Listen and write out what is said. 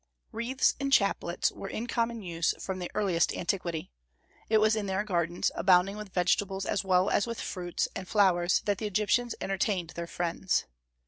Wreaths and chaplets were in common use from the earliest antiquity. It was in their gardens, abounding with vegetables as well as with fruits and flowers, that the Egyptians entertained their friends.